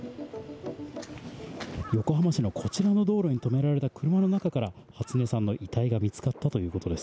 横浜市のこちらの道路に止められた車の中から初音さんの遺体が見つかったということです。